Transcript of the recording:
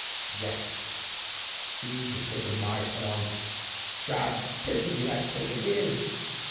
Yes, he has taken my form. God pity me! I've taken his!